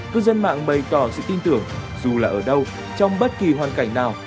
cư dân mạng bày tỏ sự tin tưởng dù là ở đâu trong bất kỳ hoàn cảnh nào